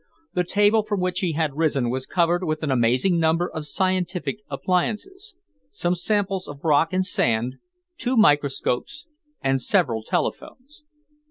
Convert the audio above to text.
The table from which he had risen was covered with an amazing number of scientific appliances, some samples of rock and sand, two microscopes and several telephones.